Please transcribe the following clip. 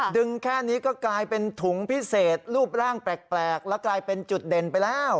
แค่นี้ก็กลายเป็นถุงพิเศษรูปร่างแปลกและกลายเป็นจุดเด่นไปแล้ว